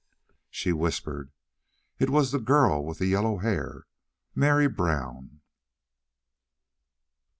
She whispered: "It was the girl with yellow hair Mary Brown."